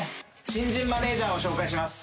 新人マネージャーを紹介します。